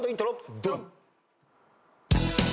ドン！